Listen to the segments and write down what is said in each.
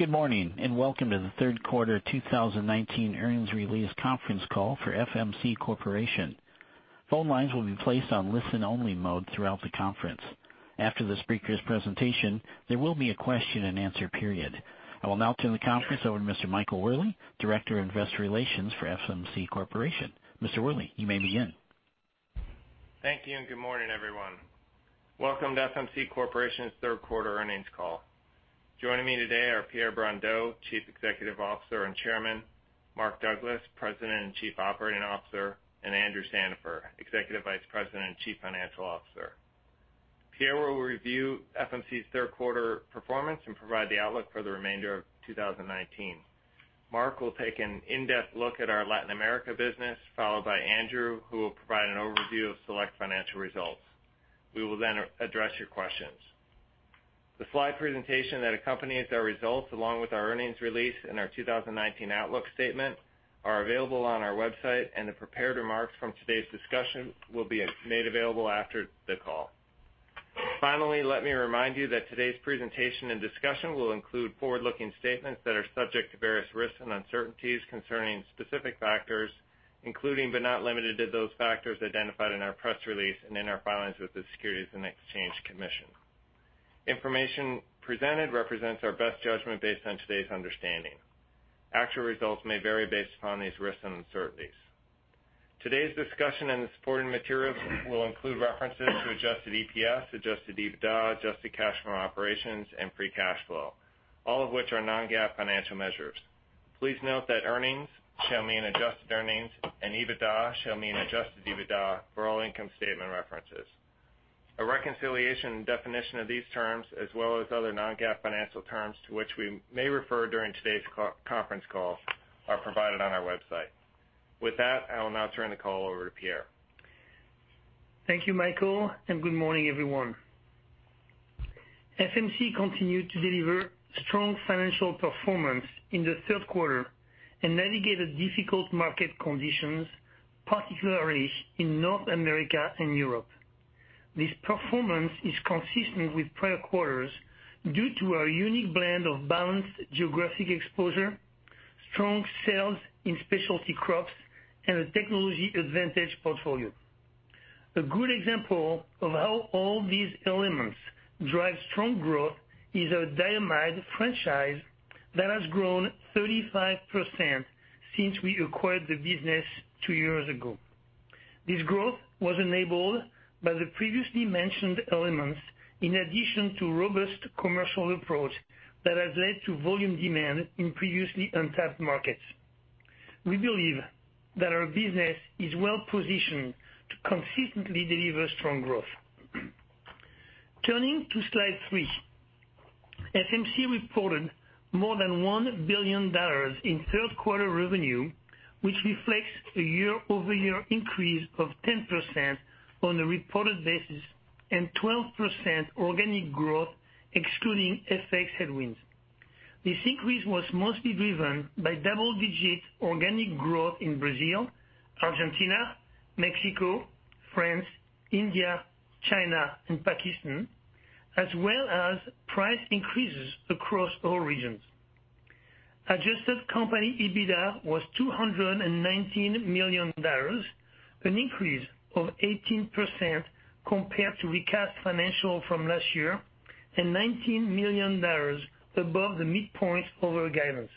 Good morning, and welcome to the third quarter 2019 earnings release conference call for FMC Corporation. Phone lines will be placed on listen-only mode throughout the conference. After the speaker's presentation, there will be a question and answer period. I will now turn the conference over to Mr. Michael Wherley, Director of Investor Relations for FMC Corporation. Mr. Wherley, you may begin. Thank you, and good morning, everyone. Welcome to FMC Corporation's third quarter earnings call. Joining me today are Pierre Brondeau, Chief Executive Officer and Chairman, Mark Douglas, President and Chief Operating Officer, and Andrew Sandifer, Executive Vice President and Chief Financial Officer. Pierre will review FMC's third quarter performance and provide the outlook for the remainder of 2019. Mark will take an in-depth look at our Latin America business, followed by Andrew, who will provide an overview of select financial results. We will then address your questions. The slide presentation that accompanies our results, along with our earnings release and our 2019 outlook statement, are available on our website, and the prepared remarks from today's discussion will be made available after the call. Finally, let me remind you that today's presentation and discussion will include forward-looking statements that are subject to various risks and uncertainties concerning specific factors, including but not limited to those factors identified in our press release and in our filings with the Securities and Exchange Commission. Information presented represents our best judgment based on today's understanding. Actual results may vary based upon these risks and uncertainties. Today's discussion and the supporting material will include references to adjusted EPS, adjusted EBITDA, adjusted cash from operations, and free cash flow, all of which are non-GAAP financial measures. Please note that earnings shall mean adjusted earnings, and EBITDA shall mean adjusted EBITDA for all income statement references. A reconciliation and definition of these terms, as well as other non-GAAP financial terms to which we may refer during today's conference call, are provided on our website. With that, I will now turn the call over to Pierre. Thank you, Michael, and good morning, everyone. FMC continued to deliver strong financial performance in the third quarter and navigate the difficult market conditions, particularly in North America and Europe. This performance is consistent with prior quarters due to our unique blend of balanced geographic exposure, strong sales in specialty crops, and a technology advantage portfolio. A good example of how all these elements drive strong growth is our Diamide franchise that has grown 35% since we acquired the business two years ago. This growth was enabled by the previously mentioned elements, in addition to robust commercial approach that has led to volume demand in previously untapped markets. We believe that our business is well positioned to consistently deliver strong growth. Turning to slide three, FMC reported more than $1 billion in third quarter revenue, which reflects a year-over-year increase of 10% on a reported basis and 12% organic growth excluding FX headwinds. This increase was mostly driven by double-digit organic growth in Brazil, Argentina, Mexico, France, India, China, and Pakistan, as well as price increases across all regions. Adjusted company EBITDA was $219 million, an increase of 18% compared to recast financial from last year and $19 million above the midpoint of our guidance.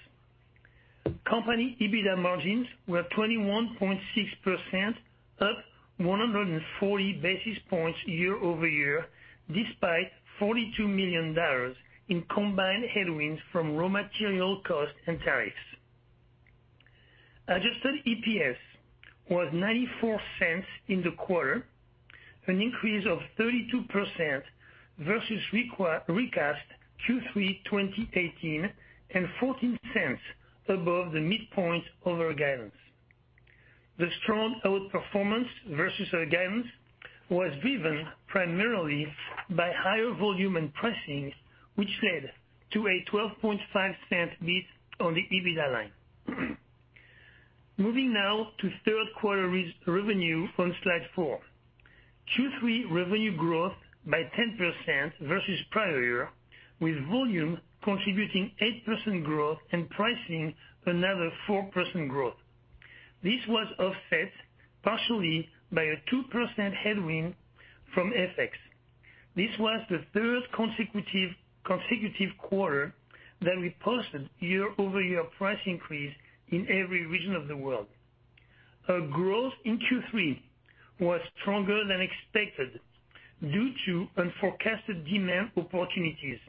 Company EBITDA margins were 21.6%, up 140 basis points year-over-year, despite $42 million in combined headwinds from raw material costs and tariffs. Adjusted EPS was $0.94 in the quarter, an increase of 32% versus recast Q3 2018 and $0.14 above the midpoint of our guidance. The strong outperformance versus our guidance was driven primarily by higher volume and pricing, which led to a $0.125 miss on the EBITDA line. Moving now to third quarter revenue on slide four. Q3 revenue growth by 10% versus prior year, with volume contributing 8% growth and pricing another 4% growth. This was offset partially by a 2% headwind from FX. This was the third consecutive quarter that we posted year-over-year price increase in every region of the world. Our growth in Q3 was stronger than expected due to unforecasted demand opportunities.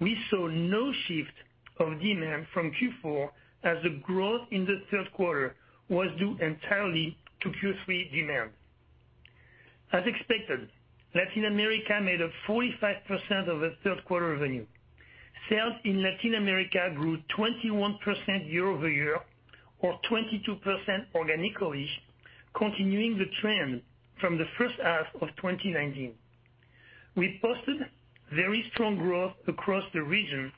We saw no shift of demand from Q4 as the growth in the third quarter was due entirely to Q3 demand. As expected, Latin America made up 45% of the third quarter revenue. Sales in Latin America grew 21% year-over-year or 22% organically, continuing the trend from the first half of 2019. We posted very strong growth across the region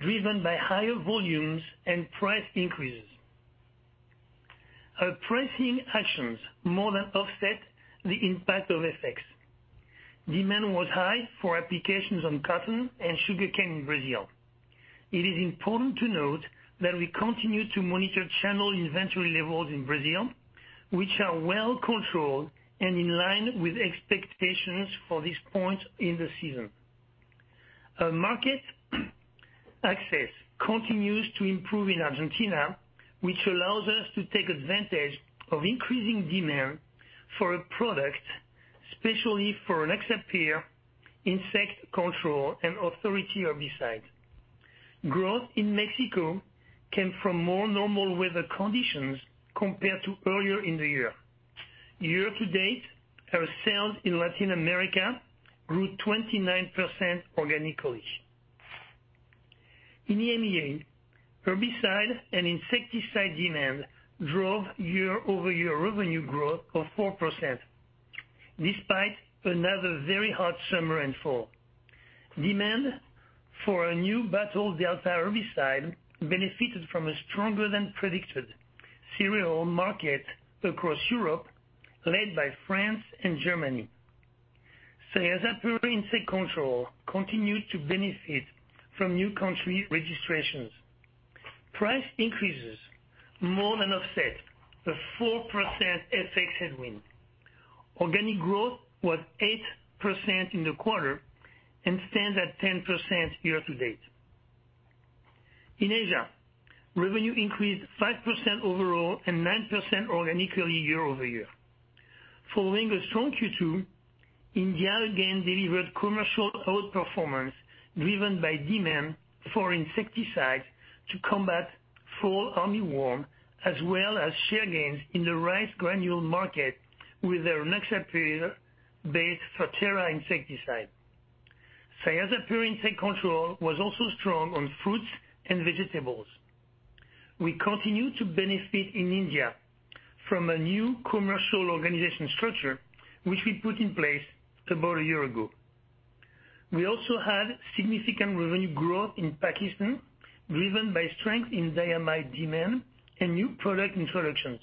driven by higher volumes and price increases. Our pricing actions more than offset the impact of FX. Demand was high for applications on cotton and sugarcane in Brazil. It is important to note that we continue to monitor channel inventory levels in Brazil, which are well controlled and in line with expectations for this point in the season. Our market access continues to improve in Argentina, which allows us to take advantage of increasing demand for a product, especially for an Rynaxypyr insect control and Authority herbicide. Growth in Mexico came from more normal weather conditions compared to earlier in the year. Year to date, our sales in Latin America grew 29% organically. In EMEA, herbicide and insecticide demand drove year-over-year revenue growth of 4%, despite another very hot summer and fall. Demand for a new Battle Delta herbicide benefited from a stronger than predicted cereal market across Europe, led by France and Germany. Say that Rynaxypyr insect control continued to benefit from new country registrations. Price increases more than offset the 4% FX headwind. Organic growth was 8% in the quarter and stands at 10% year to date. In Asia, revenue increased 5% overall and 9% organically year over year. Following a strong Q2, India again delivered commercial outperformance, driven by demand for insecticides to combat fall armyworm, as well as share gains in the rice granule market with their Rynaxypyr-based Ferterra insecticide. Say that Rynaxypyr insect control was also strong on fruits and vegetables. We continue to benefit in India from a new commercial organization structure, which we put in place about a year ago. We also had significant revenue growth in Pakistan, driven by strength in diamide demand and new product introductions.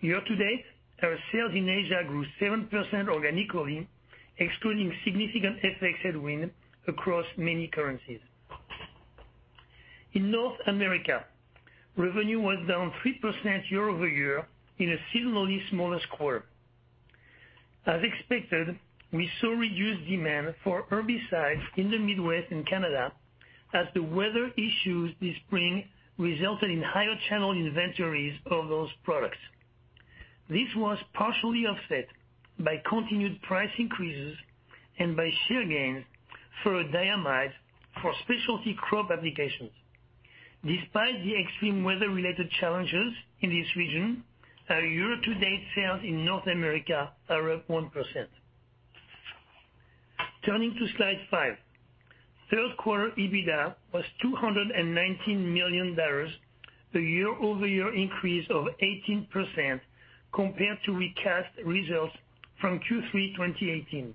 Year to date, our sales in Asia grew 7% organically, excluding significant FX headwind across many currencies. In North America, revenue was down 3% year-over-year in a seasonally smaller quarter. As expected, we saw reduced demand for herbicides in the Midwest and Canada as the weather issues this spring resulted in higher channel inventories of those products. This was partially offset by continued price increases and by share gains for diamide for specialty crop applications. Despite the extreme weather-related challenges in this region, our year-to-date sales in North America are up 1%. Turning to slide five. Third quarter EBITDA was $219 million, a year-over-year increase of 18% compared to recast results from Q3 2018.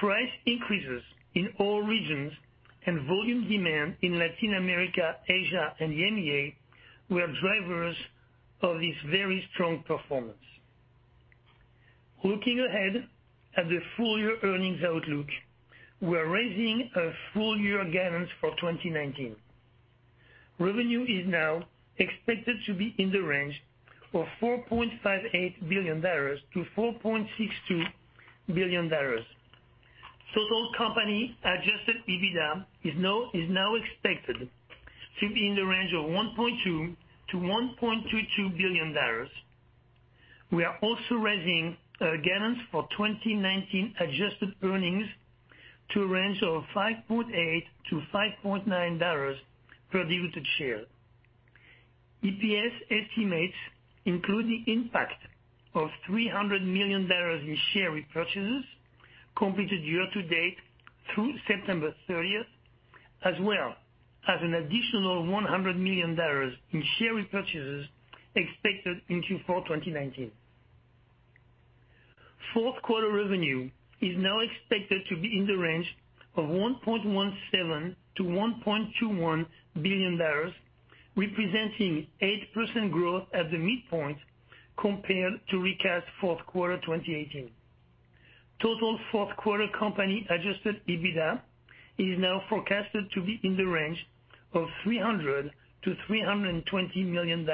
Price increases in all regions and volume demand in Latin America, Asia, and EMEA were drivers of this very strong performance. Looking ahead at the full-year earnings outlook, we are raising our full-year guidance for 2019. Revenue is now expected to be in the range of $4.58 billion-$4.62 billion. Total company adjusted EBITDA is now expected to be in the range of $1.2 billion-$1.22 billion. We are also raising our guidance for 2019 adjusted earnings to a range of $5.8-$5.9 per diluted share. EPS estimates include the impact of $300 million in share repurchases completed year to date through September 30th, as well as an additional $100 million in share repurchases expected in Q4 2019. Fourth quarter revenue is now expected to be in the range of $1.17 billion-$1.21 billion, representing 8% growth at the midpoint compared to recast fourth quarter 2018. Total fourth quarter company adjusted EBITDA is now forecasted to be in the range of $300 million-$320 million,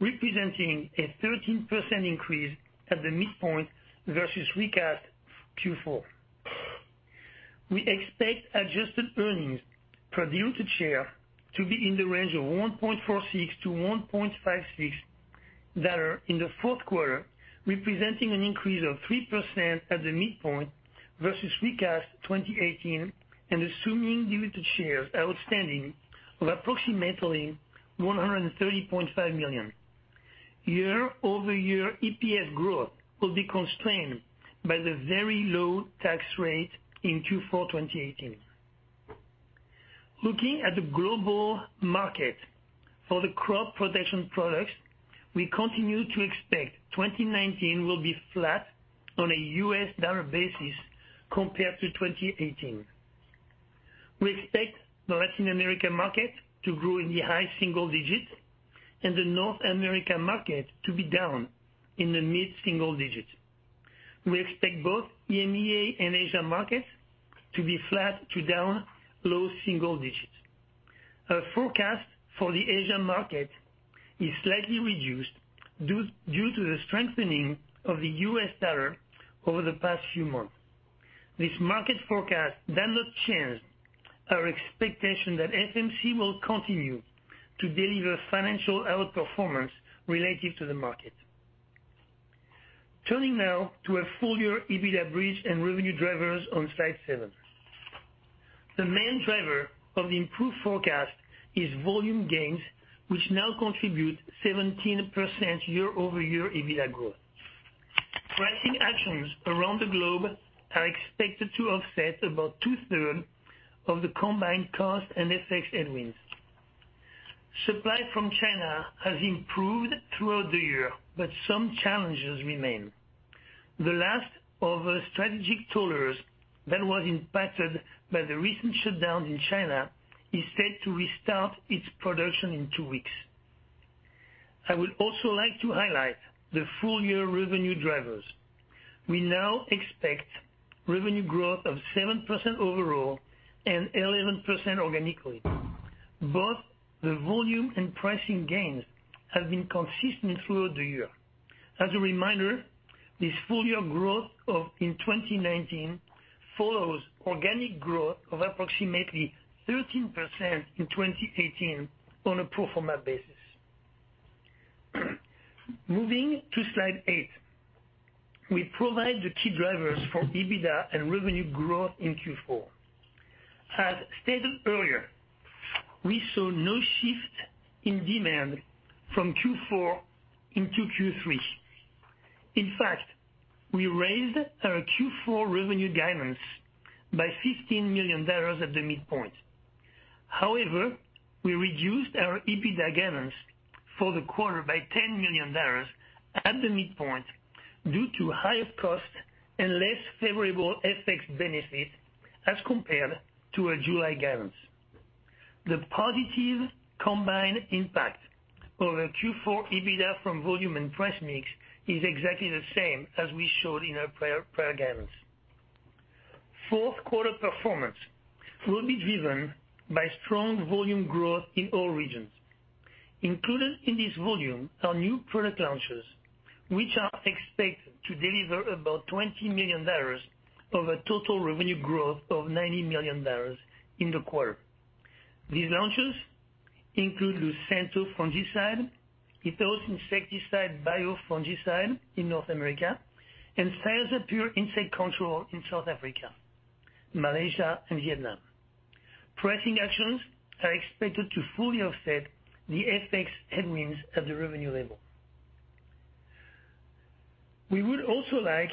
representing a 13% increase at the midpoint versus recast Q4. We expect adjusted earnings per diluted share to be in the range of $1.46-$1.56 in the fourth quarter, representing an increase of 3% at the midpoint versus recast 2018 and assuming diluted shares outstanding of approximately 130.5 million. Year-over-year EPS growth will be constrained by the very low tax rate in Q4 2018. Looking at the global market for the crop protection products, we continue to expect 2019 will be flat on a U.S. dollar basis compared to 2018. We expect the Latin American market to grow in the high single digits and the North American market to be down in the mid single digits. We expect both EMEA and Asia markets to be flat to down low single digits. Our forecast for the Asia market is slightly reduced due to the strengthening of the U.S. dollar over the past few months. This market forecast does not change our expectation that FMC will continue to deliver financial outperformance related to the market. Turning now to our full-year EBITDA bridge and revenue drivers on slide seven. The main driver of the improved forecast is volume gains, which now contribute 17% year-over-year EBITDA growth. Pricing actions around the globe are expected to offset about two-third of the combined cost and FX headwinds. Supply from China has improved throughout the year, but some challenges remain. The last of strategic tollers that was impacted by the recent shutdown in China is set to restart its production in two weeks. I would also like to highlight the full-year revenue drivers. We now expect revenue growth of 7% overall and 11% organically. Both the volume and pricing gains have been consistent throughout the year. As a reminder, this full-year growth in 2019 follows organic growth of approximately 13% in 2018 on a pro forma basis. Moving to slide eight, we provide the key drivers for EBITDA and revenue growth in Q4. As stated earlier, we saw no shift in demand from Q4 into Q3. We raised our Q4 revenue guidance by $15 million at the midpoint. We reduced our EBITDA guidance for the quarter by $10 million at the midpoint due to higher costs and less favorable FX benefits as compared to our July guidance. The positive combined impact on our Q4 EBITDA from volume and price mix is exactly the same as we showed in our prior guidance. Fourth quarter performance will be driven by strong volume growth in all regions. Included in this volume are new product launches, which are expected to deliver about $20 million of a total revenue growth of $90 million in the quarter. These launches include Lucento fungicide, Ethos insecticide biofungicide in North America, and Cyazypyr insect control in South Africa, Malaysia, and Vietnam. Pricing actions are expected to fully offset the FX headwinds at the revenue level. We would also like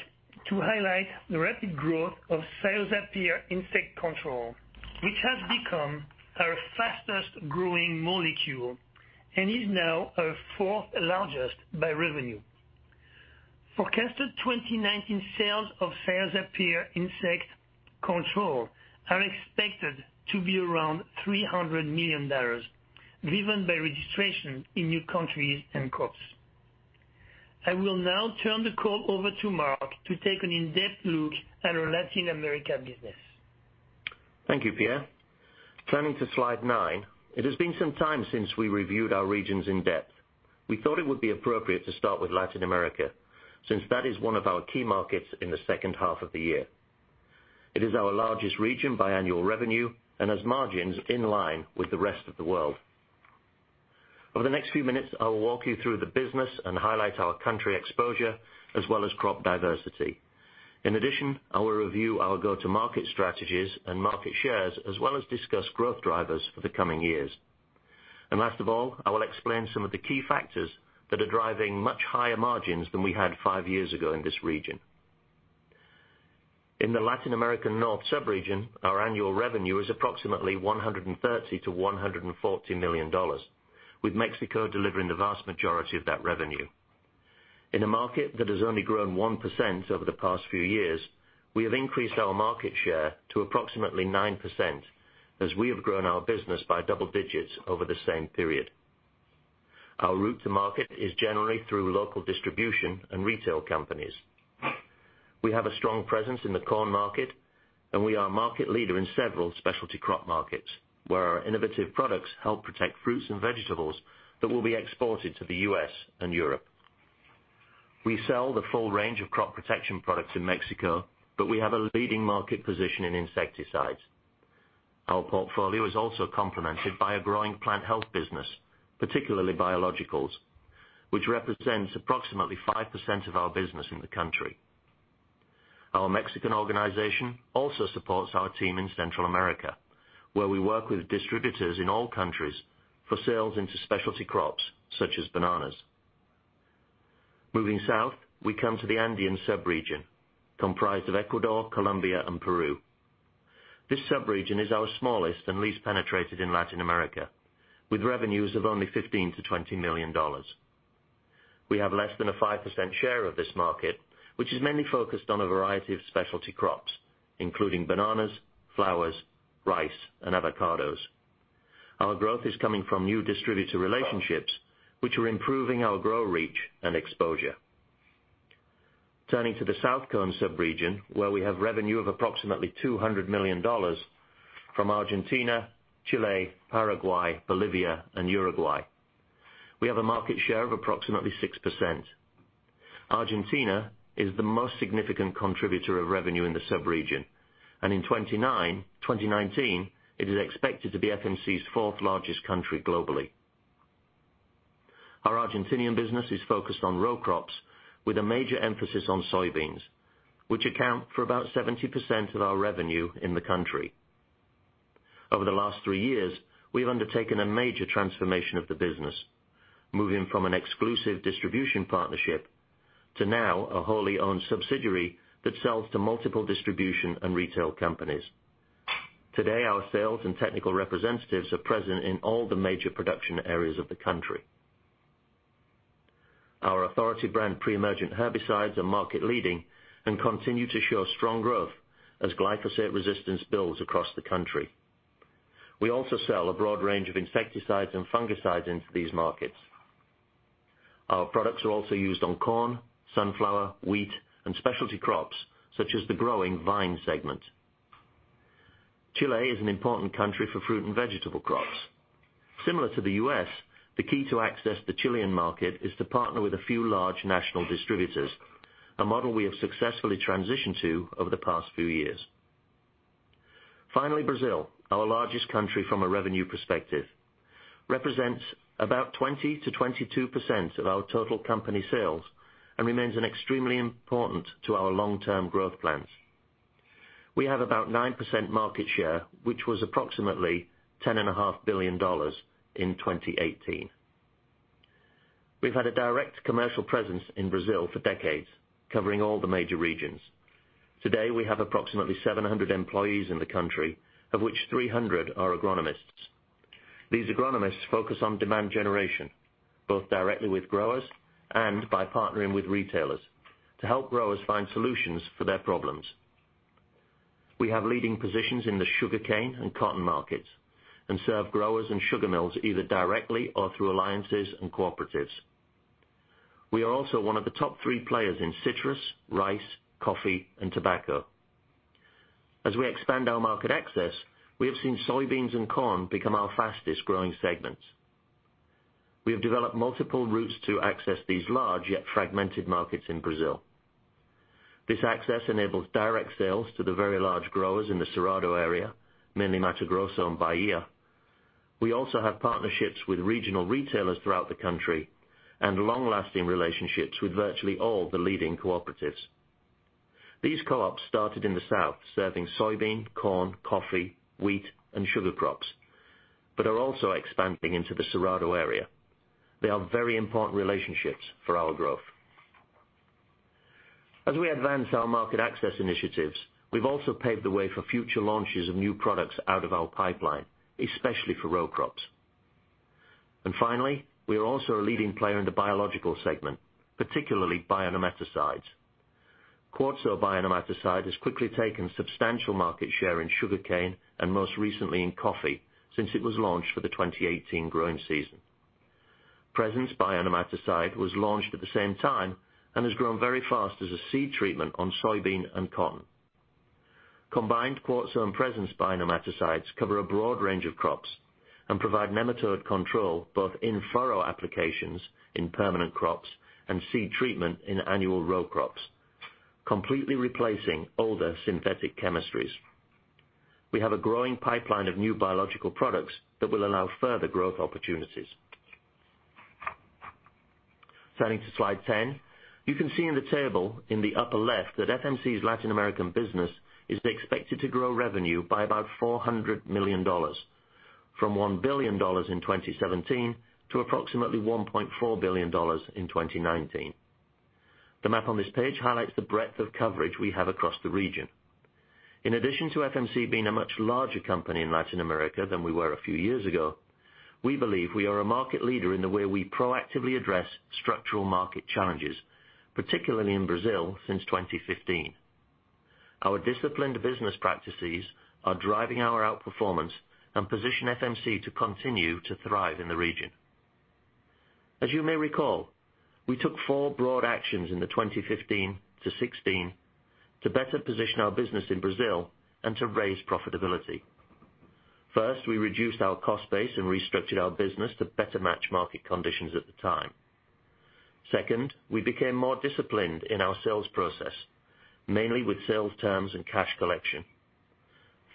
to highlight the rapid growth of Cyazypyr insect control, which has become our fastest-growing molecule and is now our fourth largest by revenue. Forecasted 2019 sales of Cyazypyr insect control are expected to be around $300 million, driven by registration in new countries and crops. I will now turn the call over to Mark to take an in-depth look at our Latin America business. Thank you, Pierre. Turning to slide nine. It has been some time since we reviewed our regions in depth. We thought it would be appropriate to start with Latin America, since that is one of our key markets in the second half of the year. It is our largest region by annual revenue and has margins in line with the rest of the world. Over the next few minutes, I will walk you through the business and highlight our country exposure as well as crop diversity. I will review our go-to-market strategies and market shares, as well as discuss growth drivers for the coming years. Last of all, I will explain some of the key factors that are driving much higher margins than we had five years ago in this region. In the Latin American North sub-region, our annual revenue is approximately $130 million-$140 million, with Mexico delivering the vast majority of that revenue. In a market that has only grown 1% over the past few years, we have increased our market share to approximately 9%, as we have grown our business by double digits over the same period. Our route to market is generally through local distribution and retail companies. We have a strong presence in the corn market, and we are a market leader in several specialty crop markets, where our innovative products help protect fruits and vegetables that will be exported to the U.S. and Europe. We sell the full range of crop protection products in Mexico, but we have a leading market position in insecticides. Our portfolio is also complemented by a growing plant health business, particularly biologicals, which represents approximately 5% of our business in the country. Our Mexican organization also supports our team in Central America, where we work with distributors in all countries for sales into specialty crops such as bananas. Moving south, we come to the Andean sub-region, comprised of Ecuador, Colombia, and Peru. This sub-region is our smallest and least penetrated in Latin America, with revenues of only $15 million-$20 million. We have less than a 5% share of this market, which is mainly focused on a variety of specialty crops, including bananas, flowers, rice, and avocados. Our growth is coming from new distributor relationships, which are improving our grow reach and exposure. Turning to the South Cone sub-region, where we have revenue of approximately $200 million from Argentina, Chile, Paraguay, Bolivia, and Uruguay. We have a market share of approximately 6%. Argentina is the most significant contributor of revenue in the sub-region, and in 2019, it is expected to be FMC's fourth largest country globally. Our Argentinian business is focused on row crops with a major emphasis on soybeans, which account for about 70% of our revenue in the country. Over the last three years, we've undertaken a major transformation of the business, moving from an exclusive distribution partnership to now a wholly-owned subsidiary that sells to multiple distribution and retail companies. Today, our sales and technical representatives are present in all the major production areas of the country. Our Authority brand pre-emergent herbicides are market leading and continue to show strong growth as glyphosate resistance builds across the country. We also sell a broad range of insecticides and fungicides into these markets. Our products are also used on corn, sunflower, wheat, and specialty crops, such as the growing vine segment. Chile is an important country for fruit and vegetable crops. Similar to the U.S., the key to access the Chilean market is to partner with a few large national distributors, a model we have successfully transitioned to over the past few years. Finally, Brazil, our largest country from a revenue perspective, represents about 20%-22% of our total company sales and remains an extremely important to our long-term growth plans. We have about 9% market share, which was approximately $10.5 billion in 2018. We've had a direct commercial presence in Brazil for decades, covering all the major regions. Today, we have approximately 700 employees in the country, of which 300 are agronomists. These agronomists focus on demand generation, both directly with growers and by partnering with retailers to help growers find solutions for their problems. We have leading positions in the sugarcane and cotton markets and serve growers and sugar mills either directly or through alliances and cooperatives. We are also one of the top three players in citrus, rice, coffee, and tobacco. As we expand our market access, we have seen soybeans and corn become our fastest-growing segments. We have developed multiple routes to access these large, yet fragmented markets in Brazil. This access enables direct sales to the very large growers in the Cerrado area, mainly Mato Grosso and Bahia. We also have partnerships with regional retailers throughout the country and long-lasting relationships with virtually all the leading cooperatives. These co-ops started in the South, serving soybean, corn, coffee, wheat, and sugar crops, but are also expanding into the Cerrado area. They are very important relationships for our growth. As we advance our market access initiatives, we've also paved the way for future launches of new products out of our pipeline, especially for row crops. Finally, we are also a leading player in the biological segment, particularly bionematicides. Quartzo bionematicide has quickly taken substantial market share in sugarcane, and most recently in coffee, since it was launched for the 2018 growing season. Presence bionematicide was launched at the same time and has grown very fast as a seed treatment on soybean and cotton. Combined Quartzo and Presence bio nematicides cover a broad range of crops and provide nematode control both in-furrow applications in permanent crops and seed treatment in annual row crops, completely replacing older synthetic chemistries. We have a growing pipeline of new biological products that will allow further growth opportunities. Turning to slide 10. You can see in the table in the upper left that FMC's Latin American business is expected to grow revenue by about $400 million, from $1 billion in 2017 to approximately $1.4 billion in 2019. The map on this page highlights the breadth of coverage we have across the region. In addition to FMC being a much larger company in Latin America than we were a few years ago, we believe we are a market leader in the way we proactively address structural market challenges, particularly in Brazil since 2015. Our disciplined business practices are driving our outperformance and position FMC to continue to thrive in the region. As you may recall, we took four broad actions in the 2015 to 2016 to better position our business in Brazil and to raise profitability. First, we reduced our cost base and restructured our business to better match market conditions at the time. Second, we became more disciplined in our sales process, mainly with sales terms and cash collection.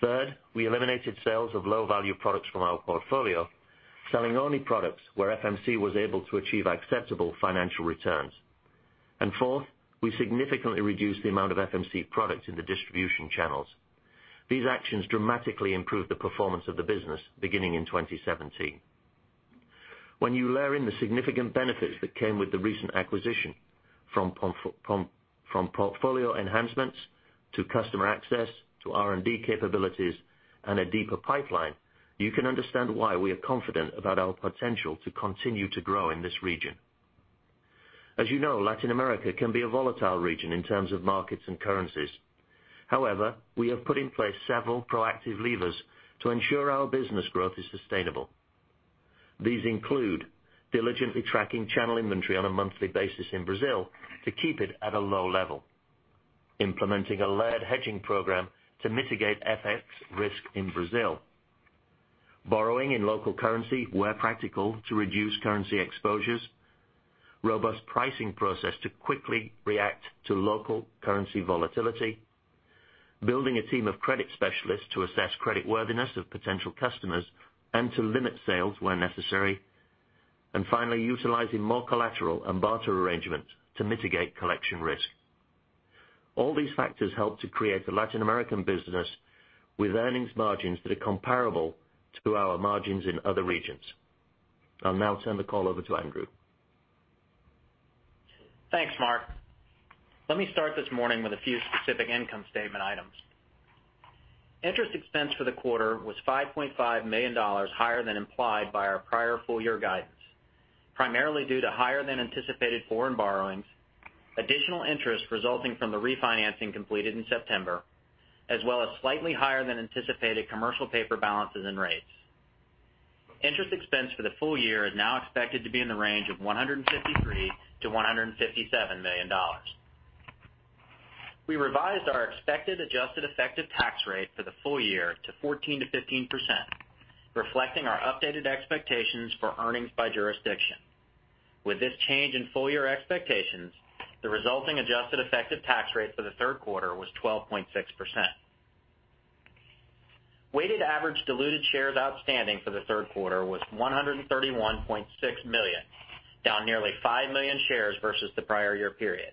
Third, we eliminated sales of low-value products from our portfolio, selling only products where FMC was able to achieve acceptable financial returns. Fourth, we significantly reduced the amount of FMC products in the distribution channels. These actions dramatically improved the performance of the business beginning in 2017. When you layer in the significant benefits that came with the recent acquisition. From portfolio enhancements to customer access, to R&D capabilities and a deeper pipeline, you can understand why we are confident about our potential to continue to grow in this region. As you know, Latin America can be a volatile region in terms of markets and currencies. However, we have put in place several proactive levers to ensure our business growth is sustainable. These include diligently tracking channel inventory on a monthly basis in Brazil to keep it at a low level. Implementing a layered hedging program to mitigate FX risk in Brazil. Borrowing in local currency where practical, to reduce currency exposures. Robust pricing process to quickly react to local currency volatility. Building a team of credit specialists to assess creditworthiness of potential customers and to limit sales where necessary. Finally, utilizing more collateral and barter arrangements to mitigate collection risk. All these factors help to create a Latin American business with earnings margins that are comparable to our margins in other regions. I'll now turn the call over to Andrew. Thanks, Mark. Let me start this morning with a few specific income statement items. Interest expense for the quarter was $5.5 million higher than implied by our prior full year guidance, primarily due to higher than anticipated foreign borrowings, additional interest resulting from the refinancing completed in September, as well as slightly higher than anticipated commercial paper balances and rates. Interest expense for the full year is now expected to be in the range of $153 million-$157 million. We revised our expected adjusted effective tax rate for the full year to 14%-15%, reflecting our updated expectations for earnings by jurisdiction. With this change in full year expectations, the resulting adjusted effective tax rate for the third quarter was 12.6%. Weighted average diluted shares outstanding for the third quarter was 131.6 million, down nearly five million shares versus the prior year period,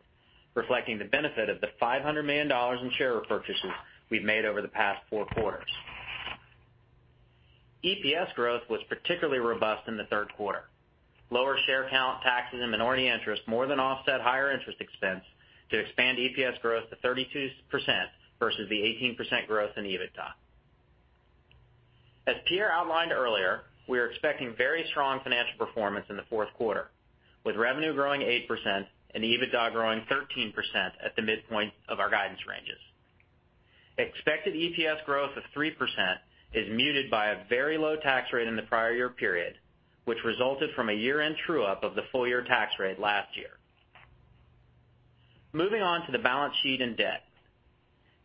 reflecting the benefit of the $500 million in share repurchases we've made over the past four quarters. EPS growth was particularly robust in the third quarter. Lower share count taxes and minority interest more than offset higher interest expense to expand EPS growth to 32% versus the 18% growth in EBITDA. As Pierre outlined earlier, we are expecting very strong financial performance in the fourth quarter, with revenue growing 8% and EBITDA growing 13% at the midpoint of our guidance ranges. Expected EPS growth of 3% is muted by a very low tax rate in the prior year period, which resulted from a year-end true-up of the full year tax rate last year. Moving on to the balance sheet and debt.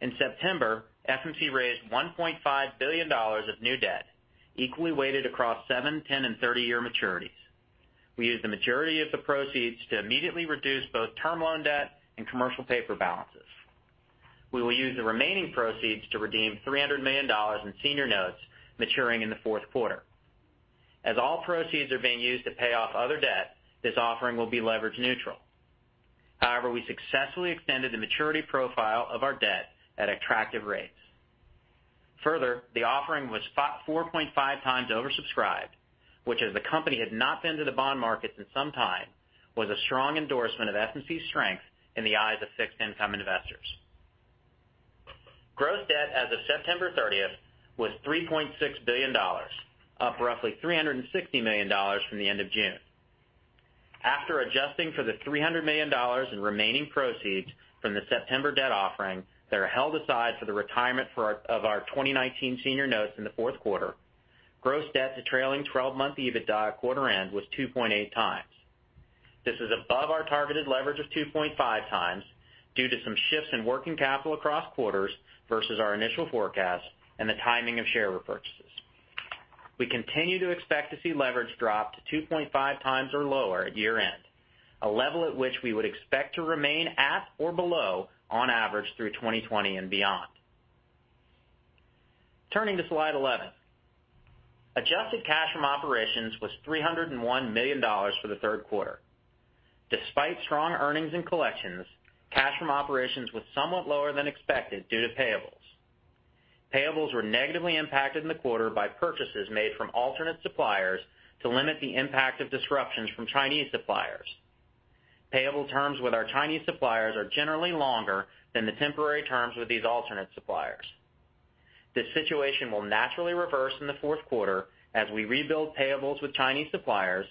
In September, FMC raised $1.5 billion of new debt, equally weighted across 7, 10, and 30-year maturities. We used the majority of the proceeds to immediately reduce both term loan debt and commercial paper balances. We will use the remaining proceeds to redeem $300 million in senior notes maturing in the fourth quarter. All proceeds are being used to pay off other debt, this offering will be leverage neutral. We successfully extended the maturity profile of our debt at attractive rates. The offering was 4.5 times oversubscribed, which as the company had not been to the bond market in some time, was a strong endorsement of FMC's strength in the eyes of fixed income investors. Gross debt as of September 30th was $3.6 billion, up roughly $360 million from the end of June. After adjusting for the $300 million in remaining proceeds from the September debt offering that are held aside for the retirement of our 2019 senior notes in the fourth quarter, gross debt to trailing 12-month EBITDA at quarter end was 2.8 times. This is above our targeted leverage of 2.5 times due to some shifts in working capital across quarters versus our initial forecast and the timing of share repurchases. We continue to expect to see leverage drop to 2.5 times or lower at year-end, a level at which we would expect to remain at or below on average through 2020 and beyond. Turning to slide 11. Adjusted cash from operations was $301 million for the third quarter. Despite strong earnings and collections, cash from operations was somewhat lower than expected due to payables. Payables were negatively impacted in the quarter by purchases made from alternate suppliers to limit the impact of disruptions from Chinese suppliers. Payable terms with our Chinese suppliers are generally longer than the temporary terms with these alternate suppliers. This situation will naturally reverse in the fourth quarter as we rebuild payables with Chinese suppliers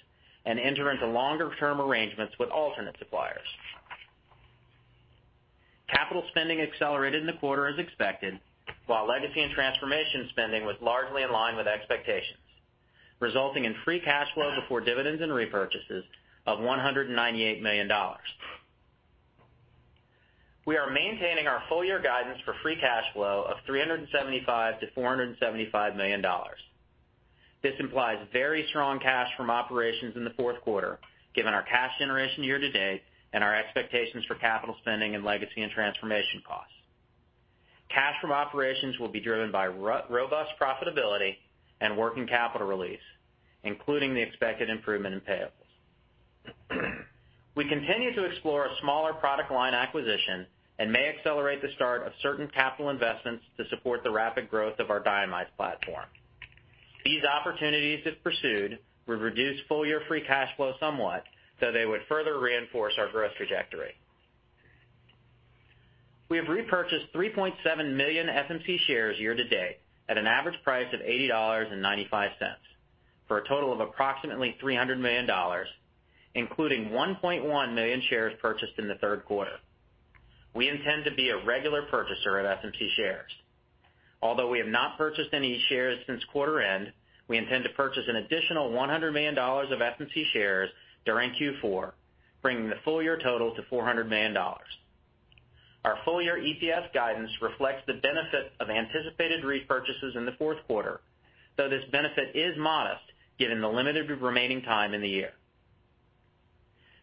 and enter into longer-term arrangements with alternate suppliers. Capital spending accelerated in the quarter as expected, while legacy and transformation spending was largely in line with expectations, resulting in free cash flow before dividends and repurchases of $198 million. We are maintaining our full year guidance for free cash flow of $375 million-$475 million. This implies very strong cash from operations in the fourth quarter, given our cash generation year to date and our expectations for capital spending and legacy and transformation costs. Cash from operations will be driven by robust profitability and working capital release, including the expected improvement in payables. We continue to explore a smaller product line acquisition and may accelerate the start of certain capital investments to support the rapid growth of our diamide platform. These opportunities, if pursued, would reduce full-year free cash flow somewhat, though they would further reinforce our growth trajectory. We have repurchased 3.7 million FMC shares year to date at an average price of $80.95, for a total of approximately $300 million, including 1.1 million shares purchased in the third quarter. We intend to be a regular purchaser of FMC shares. Although we have not purchased any shares since quarter end, we intend to purchase an additional $100 million of FMC shares during Q4, bringing the full-year total to $400 million. Our full-year EPS guidance reflects the benefit of anticipated repurchases in the fourth quarter, though this benefit is modest given the limited remaining time in the year.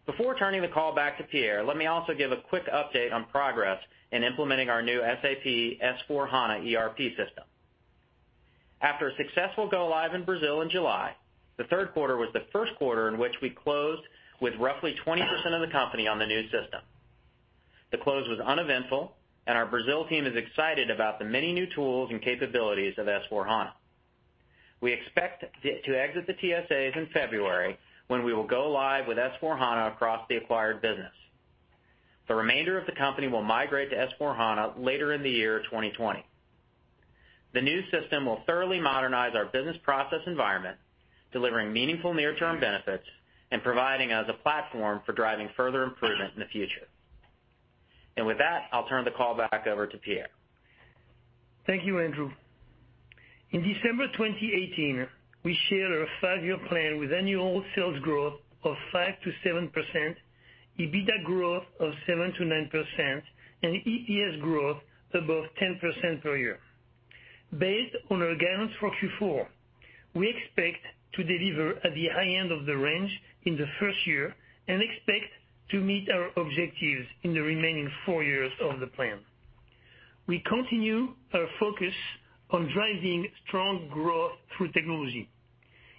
Before turning the call back to Pierre, let me also give a quick update on progress in implementing our new SAP S/4HANA ERP system. After a successful go-live in Brazil in July, the third quarter was the first quarter in which we closed with roughly 20% of the company on the new system. The close was uneventful, and our Brazil team is excited about the many new tools and capabilities of S/4HANA. We expect to exit the TSAs in February, when we will go live with S/4HANA across the acquired business. The remainder of the company will migrate to S/4HANA later in the year 2020. The new system will thoroughly modernize our business process environment, delivering meaningful near-term benefits and providing us a platform for driving further improvement in the future. With that, I'll turn the call back over to Pierre. Thank you, Andrew. In December 2018, we shared our five-year plan with annual sales growth of 5%-7%, EBITDA growth of 7%-9%, and EPS growth above 10% per year. Based on our guidance for Q4, we expect to deliver at the high end of the range in the first year and expect to meet our objectives in the remaining four years of the plan. We continue our focus on driving strong growth through technology.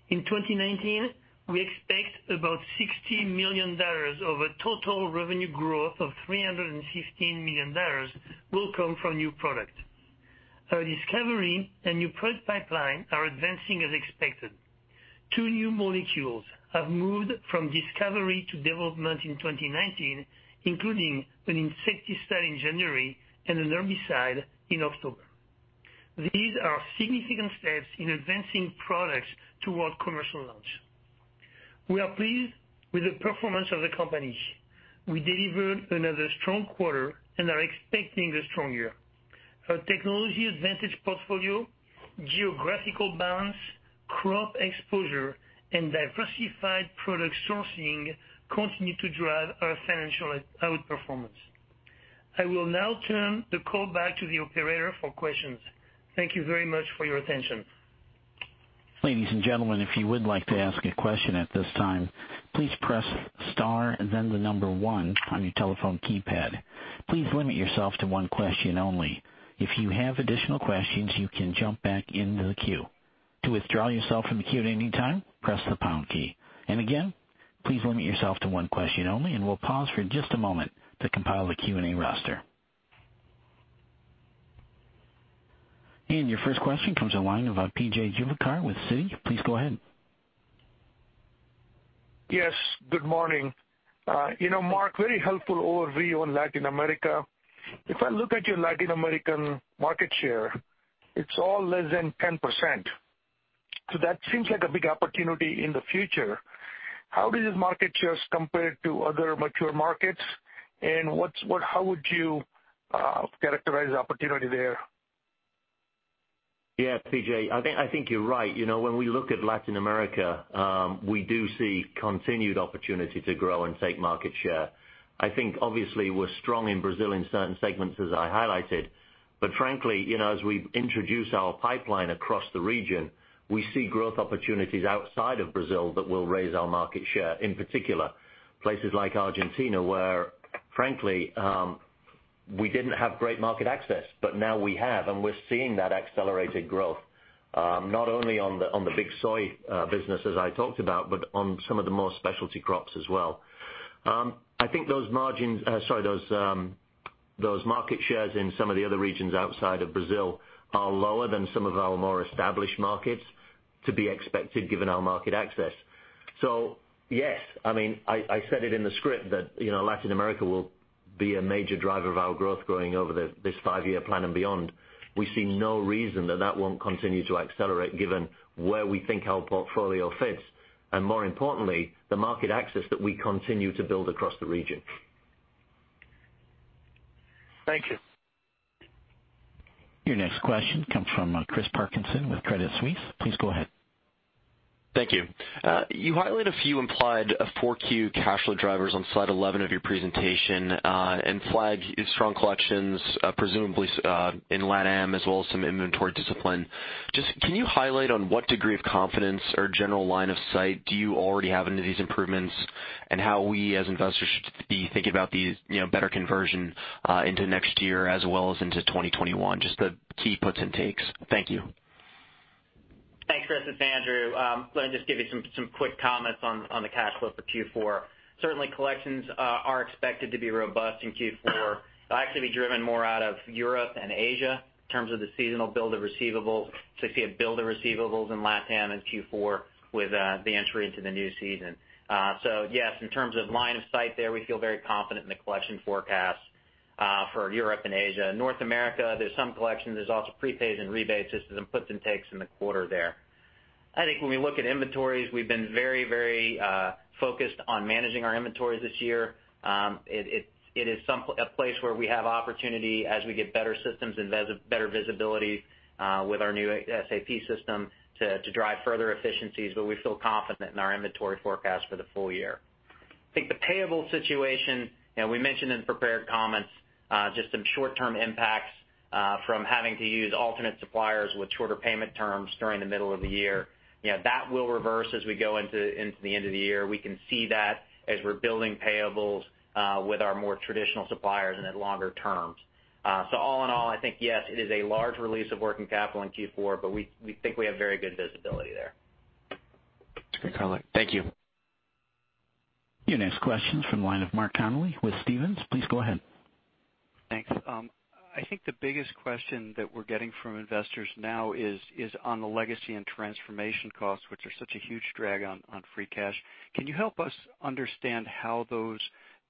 In 2019, we expect about $60 million of a total revenue growth of $315 million will come from new products. Our discovery and new product pipeline are advancing as expected. Two new molecules have moved from discovery to development in 2019, including an insecticide in January and an herbicide in October. These are significant steps in advancing products toward commercial launch. We are pleased with the performance of the company. We delivered another strong quarter and are expecting a strong year. Our technology advantage portfolio, geographical balance, crop exposure, and diversified product sourcing continue to drive our financial outperformance. I will now turn the call back to the operator for questions. Thank you very much for your attention. Ladies and gentlemen, if you would like to ask a question at this time, please press star and then the number 1 on your telephone keypad. Please limit yourself to one question only. If you have additional questions, you can jump back into the queue. To withdraw yourself from the queue at any time, press the pound key. Again, please limit yourself to one question only, and we'll pause for just a moment to compile the Q&A roster. Your first question comes on the line of P.J. Juvekar with Citi. Please go ahead. Yes, good morning. Mark, very helpful overview on Latin America. If I look at your Latin American market share, it's all less than 10%. That seems like a big opportunity in the future. How does this market share compare to other mature markets, and how would you characterize the opportunity there? Yeah, P.J., I think you're right. When we look at Latin America, we do see continued opportunity to grow and take market share. I think obviously we're strong in Brazil in certain segments, as I highlighted. Frankly, as we introduce our pipeline across the region, we see growth opportunities outside of Brazil that will raise our market share, in particular, places like Argentina, where frankly, we didn't have great market access. Now we have, and we're seeing that accelerated growth, not only on the big soy business as I talked about, but on some of the more specialty crops as well. I think those market shares in some of the other regions outside of Brazil are lower than some of our more established markets to be expected given our market access. Yes, I said it in the script that Latin America will be a major driver of our growth going over this five-year plan and beyond. We see no reason that that won't continue to accelerate given where we think our portfolio fits, and more importantly, the market access that we continue to build across the region. Thank you. Your next question comes from Chris Parkinson with Credit Suisse. Please go ahead. Thank you. You highlight a few implied 4Q cash flow drivers on slide 11 of your presentation and flag strong collections, presumably in LATAM as well as some inventory discipline. Can you highlight on what degree of confidence or general line of sight do you already have into these improvements and how we as investors should be thinking about these better conversion into next year as well as into 2021? The key puts and takes. Thank you. Thanks, Chris. It's Andy. Let me just give you some quick comments on the cash flow for Q4. Certainly, collections are expected to be robust in Q4. They'll actually be driven more out of Europe and Asia in terms of the seasonal build of receivables to see a build of receivables in LATAM in Q4 with the entry into the new season. Yes, in terms of line of sight there, we feel very confident in the collection forecast for Europe and Asia. North America, there's some collection. There's also prepays and rebates, just some puts and takes in the quarter there. I think when we look at inventories, we've been very focused on managing our inventories this year. It is a place where we have opportunity as we get better systems and better visibility with our new SAP system to drive further efficiencies. We feel confident in our inventory forecast for the full year. I think the payable situation, we mentioned in prepared comments, just some short-term impacts from having to use alternate suppliers with shorter payment terms during the middle of the year. That will reverse as we go into the end of the year. We can see that as we're building payables with our more traditional suppliers and at longer terms. All in all, I think, yes, it is a large release of working capital in Q4. We think we have very good visibility there. That's great, Chris. Thank you. Your next question's from the line of Mark Connelly with Stephens. Please go ahead. Thanks. I think the biggest question that we're getting from investors now is on the legacy and transformation costs, which are such a huge drag on free cash. Can you help us understand how those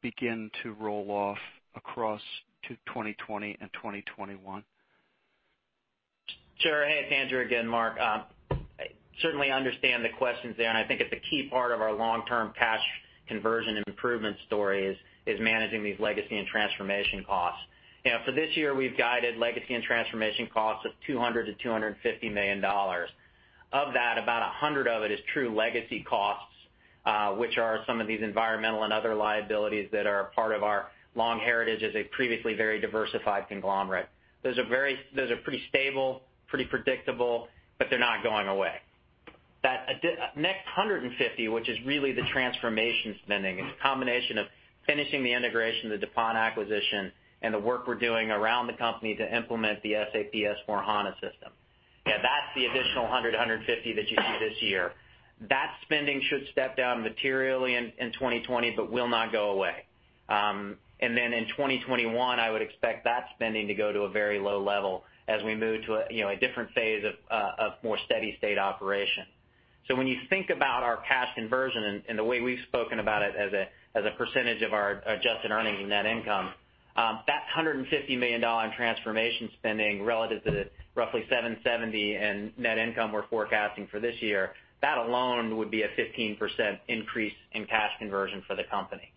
begin to roll off across to 2020 and 2021? Sure. Hey, it's Andrew again, Mark. I certainly understand the questions there. I think it's a key part of our long-term cash conversion and improvement story is managing these legacy and transformation costs. For this year, we've guided legacy and transformation costs of $200 million to $250 million. Of that, about 100 of it is true legacy costs, which are some of these environmental and other liabilities that are a part of our long heritage as a previously very diversified conglomerate. Those are pretty stable, pretty predictable, they're not going away. That next 150, which is really the transformation spending. It's a combination of finishing the integration of the DuPont acquisition and the work we're doing around the company to implement the SAP S/4HANA system. That's the additional 100, 150 that you see this year. That spending should step down materially in 2020 but will not go away. In 2021, I would expect that spending to go to a very low level as we move to a different phase of more steady state operation. When you think about our cash conversion and the way we've spoken about it as a percentage of our adjusted earnings and net income, that $150 million transformation spending relative to the roughly $770 in net income we're forecasting for this year, that alone would be a 15% increase in cash conversion for the company.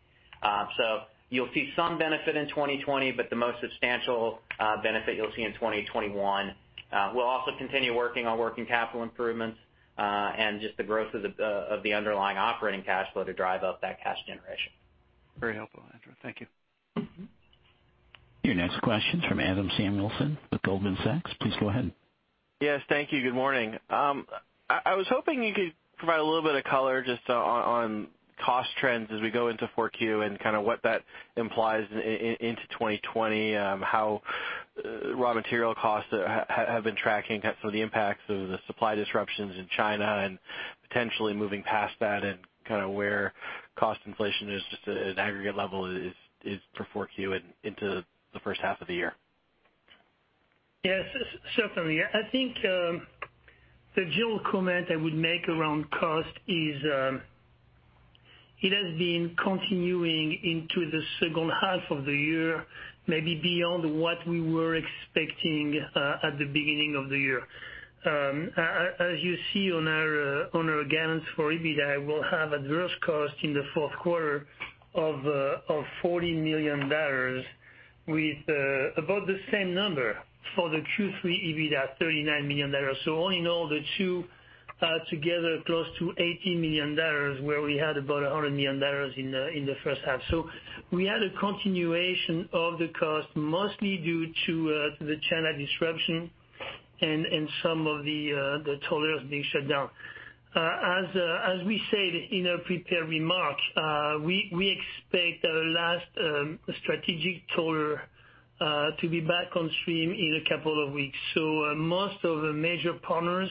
You'll see some benefit in 2020, but the most substantial benefit you'll see in 2021. We'll also continue working on working capital improvements, and just the growth of the underlying operating cash flow to drive up that cash generation. Very helpful, Andrew. Thank you. Your next question's from Adam Samuelson with Goldman Sachs. Please go ahead. Yes, thank you. Good morning. I was hoping you could provide a little bit of color just on cost trends as we go into 4Q and what that implies into 2020, how raw material costs have been tracking, some of the impacts of the supply disruptions in China and potentially moving past that and where cost inflation is just at an aggregate level is for 4Q and into the first half of the year. Yes, certainly. I think the general comment I would make around cost is it has been continuing into the second half of the year, maybe beyond what we were expecting at the beginning of the year. You see on our guidance for EBITDA, we'll have adverse costs in the fourth quarter of $40 million with about the same number for the Q3 EBITDA at $39 million. All in all, the two together close to $80 million, where we had about $100 million in the first half. We had a continuation of the cost mostly due to the China disruption and some of the tollers being shut down. We said in our prepared remarks, we expect our last strategic toller to be back on stream in a couple of weeks. Most of the major partners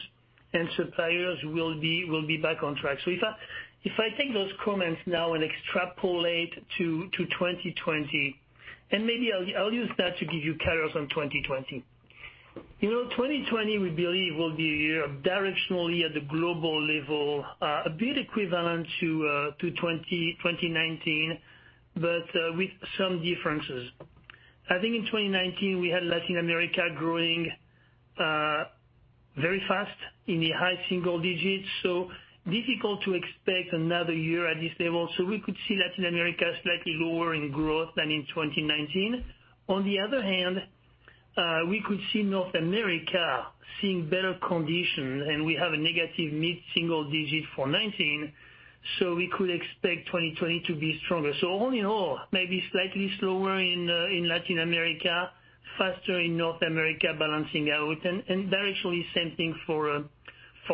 and suppliers will be back on track. If I take those comments now and extrapolate to 2020, and maybe I'll use that to give you colors on 2020. 2020 we believe will be a year directionally at the global level, a bit equivalent to 2019, but with some differences. I think in 2019, we had Latin America growing very fast in the high single digits, so difficult to expect another year at this level. We could see Latin America slightly lower in growth than in 2019. On the other hand, we could see North America seeing better conditions, and we have a negative mid-single digit for 2019, so we could expect 2020 to be stronger. All in all, maybe slightly slower in Latin America, faster in North America, balancing out, and directionally, same thing for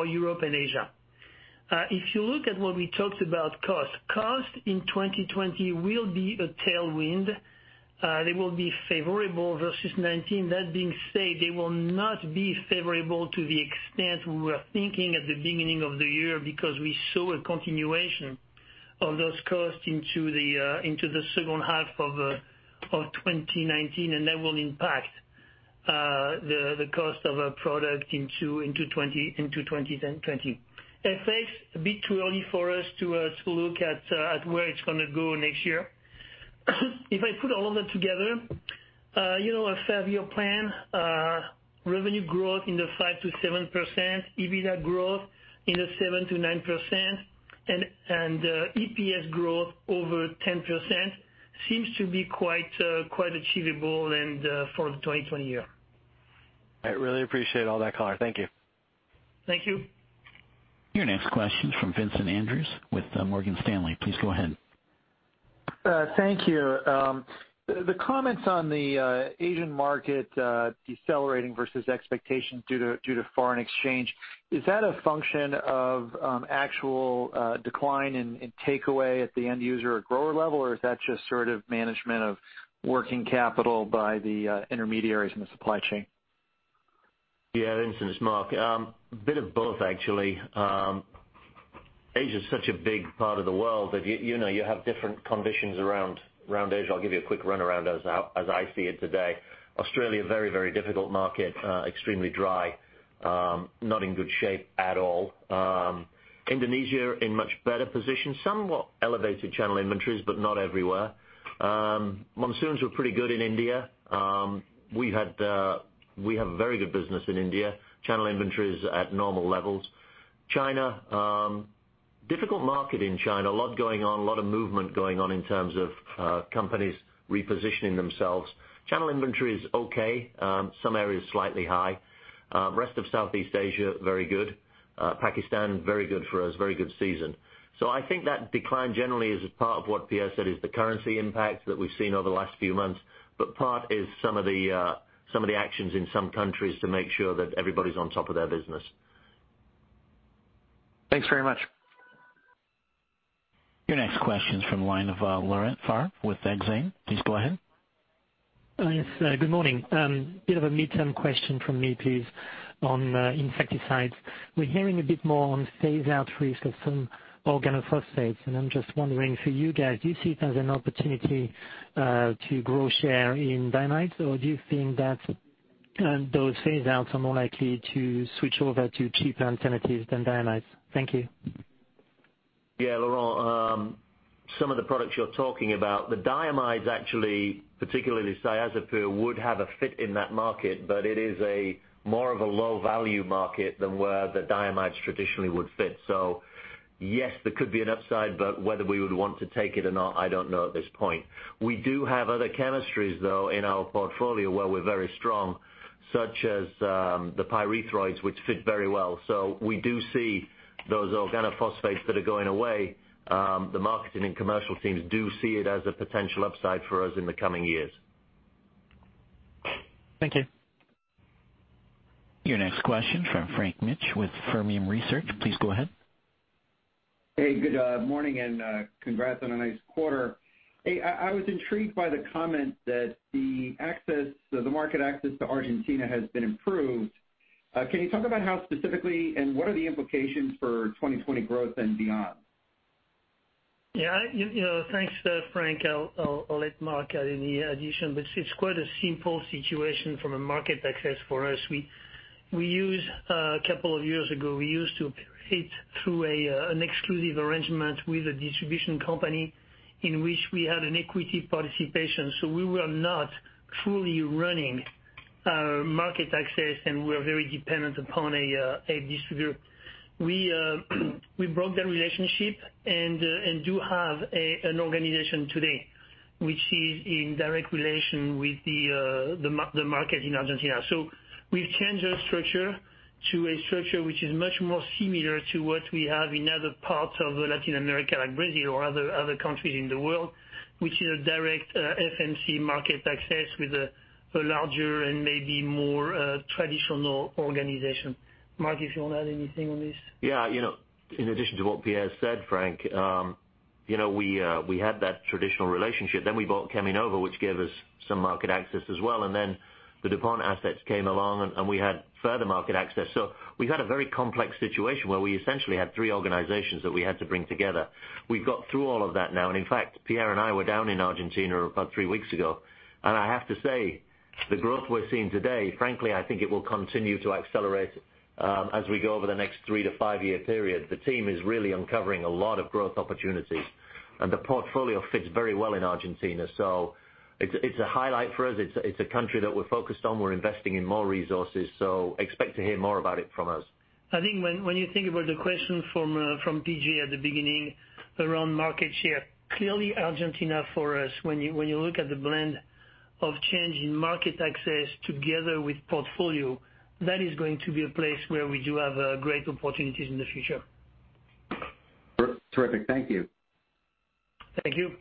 Europe and Asia. If you look at what we talked about, cost. Cost in 2020 will be a tailwind. They will be favorable versus 2019. They will not be favorable to the extent we were thinking at the beginning of the year because we saw a continuation of those costs into the second half of 2019, and that will impact the cost of our product into 2020. FX, a bit too early for us to look at where it's going to go next year. If I put all of that together, our five-year plan, revenue growth in the 5%-7%, EBITDA growth in the 7%-9%, and EPS growth over 10% seems to be quite achievable for the 2020 year. I really appreciate all that, Pierre. Thank you. Thank you. Your next question is from Vincent Andrews with Morgan Stanley. Please go ahead. Thank you. The comments on the Asian market decelerating versus expectations due to foreign exchange, is that a function of actual decline in takeaway at the end user or grower level? Or is that just sort of management of working capital by the intermediaries in the supply chain? Yeah, Vincent, it's Mark. A bit of both, actually. Asia is such a big part of the world that you have different conditions around Asia. I'll give you a quick runaround as I see it today. Australia, very difficult market, extremely dry, not in good shape at all. Indonesia, in much better position, somewhat elevated channel inventories, but not everywhere. Monsoons were pretty good in India. We have a very good business in India. Channel inventory is at normal levels. China, difficult market in China. A lot going on, a lot of movement going on in terms of companies repositioning themselves. Channel inventory is okay. Some areas slightly high. Rest of Southeast Asia, very good. Pakistan, very good for us, very good season. I think that decline generally is part of what Pierre said is the currency impact that we've seen over the last few months, but part is some of the actions in some countries to make sure that everybody's on top of their business. Thanks very much. Your next question is from the line of Laurent Favre with Exane. Please go ahead. Yes, good morning. A bit of a midterm question from me, please, on insecticides. We're hearing a bit more on phase out risk of some organophosphates, and I'm just wondering for you guys, do you see it as an opportunity to grow share in diamides? Do you think that those phase outs are more likely to switch over to cheaper alternatives than diamides? Thank you. Yeah, Laurent, some of the products you're talking about, the diamides actually, particularly thiacloprid, would have a fit in that market, but it is a more of a low-value market than where the diamides traditionally would fit. Yes, there could be an upside, but whether we would want to take it or not, I don't know at this point. We do have other chemistries, though, in our portfolio where we're very strong, such as the pyrethroids, which fit very well. We do see those organophosphates that are going away. The marketing and commercial teams do see it as a potential upside for us in the coming years. Thank you. Your next question is from Frank Mitsch with Fermium Research. Please go ahead. Hey, good morning, congrats on a nice quarter. I was intrigued by the comment that the market access to Argentina has been improved. Can you talk about how specifically? What are the implications for 2020 growth and beyond? Thanks, Frank. I'll let Mark add any addition, but it's quite a simple situation from a market access for us. A couple of years ago, we used to operate through an exclusive arrangement with a distribution company in which we had an equity participation. We were not fully running our market access, and we were very dependent upon a distributor. We broke that relationship and do have an organization today which is in direct relation with the market in Argentina. We've changed our structure to a structure which is much more similar to what we have in other parts of Latin America, like Brazil or other countries in the world, which is a direct FMC market access with a larger and maybe more traditional organization. Mark, if you want to add anything on this. In addition to what Pierre said, Frank, we had that traditional relationship. We bought Cheminova, which gave us some market access as well. The DuPont assets came along, and we had further market access. We had a very complex situation where we essentially had three organizations that we had to bring together. We've got through all of that now. In fact, Pierre and I were down in Argentina about three weeks ago. I have to say, the growth we're seeing today, frankly, I think it will continue to accelerate as we go over the next three to five-year period. The team is really uncovering a lot of growth opportunities. The portfolio fits very well in Argentina. It's a highlight for us. It's a country that we're focused on. We're investing in more resources. Expect to hear more about it from us. I think when you think about the question from P.J. at the beginning around market share, clearly Argentina for us, when you look at the blend of change in market access together with portfolio, that is going to be a place where we do have great opportunities in the future. Terrific. Thank you. Thank you.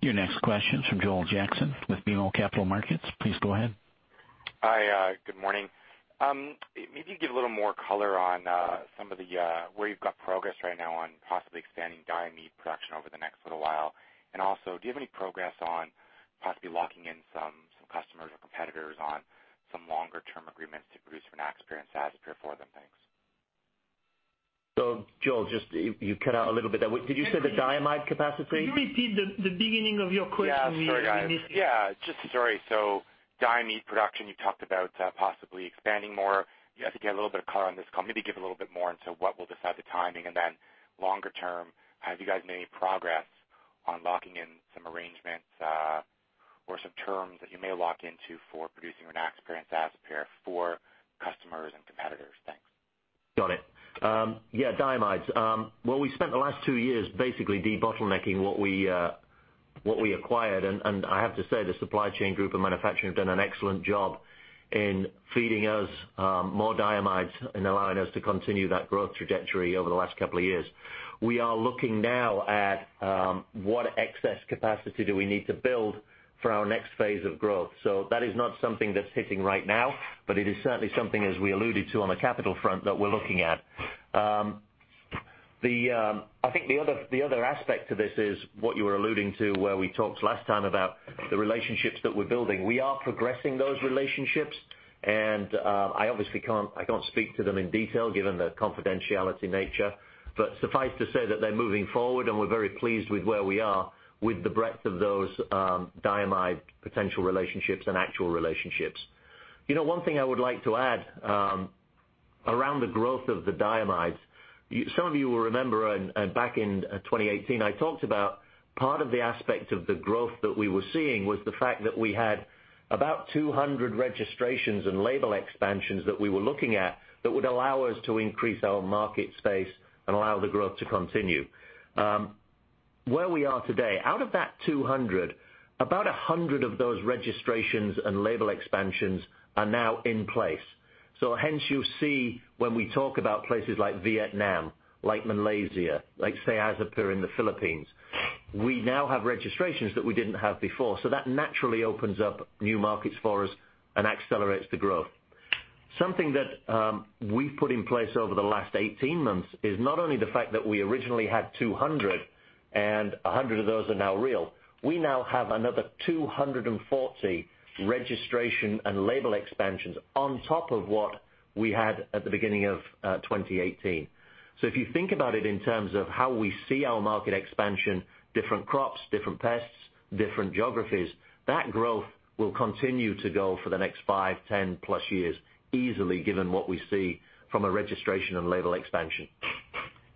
Your next question is from Joel Jackson with BMO Capital Markets. Please go ahead. Hi, good morning. Maybe give a little more color on where you've got progress right now on possibly expanding diamide production over the next little while. Also, do you have any progress on possibly locking in some customers or competitors on some longer-term agreements to produce Rynaxypyr and Cyazypyr for them? Thanks. Joel, you cut out a little bit there. Did you say the diamide capacity? Could you repeat the beginning of your question? Sorry, guys. Just, sorry. Diamide production, you talked about possibly expanding more. I think you had a little bit of color on this call. Maybe give a little bit more into what will decide the timing. Longer term, have you guys made any progress on locking in some arrangements, or some terms that you may lock into for producing Rynaxypyr and Cyazypyr for customers and competitors? Thanks. Got it. Yeah, diamides. Well, we spent the last two years basically debottlenecking what we acquired. I have to say, the supply chain group and manufacturing have done an excellent job in feeding us more diamides and allowing us to continue that growth trajectory over the last couple of years. We are looking now at what excess capacity do we need to build for our next phase of growth. That is not something that's hitting right now, but it is certainly something, as we alluded to on the capital front, that we're looking at. I think the other aspect to this is what you were alluding to, where we talked last time about the relationships that we're building. We are progressing those relationships, and I obviously can't speak to them in detail given their confidentiality nature. Suffice to say that they're moving forward, and we're very pleased with where we are with the breadth of those diamide potential relationships and actual relationships. One thing I would like to add around the growth of the diamides. Some of you will remember back in 2018, I talked about part of the aspect of the growth that we were seeing was the fact that we had about 200 registrations and label expansions that we were looking at that would allow us to increase our market space and allow the growth to continue. Where we are today, out of that 200, about 100 of those registrations and label expansions are now in place. Hence you see when we talk about places like Vietnam, like Malaysia, like Cyazypyr in the Philippines, we now have registrations that we didn't have before. That naturally opens up new markets for us and accelerates the growth. Something that we've put in place over the last 18 months is not only the fact that we originally had 200 and 100 of those are now real. We now have another 240 registration and label expansions on top of what we had at the beginning of 2018. If you think about it in terms of how we see our market expansion, different crops, different pests, different geographies, that growth will continue to go for the next five, 10 plus years, easily, given what we see from a registration and label expansion.